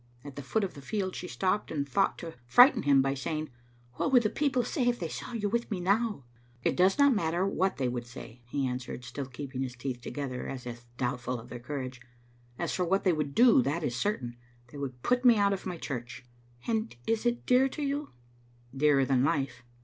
At the foot of the field she stopped, and thought to frighten him by say ing, " What would the people say if they saw you with me now?" " It does not much matter what they would say," he answered, still keeping his teeth together as if doubtful of their courage. " As for what they would do, that is certain; they would put me out of my church." " And it is dear to you?" "Dearer than life."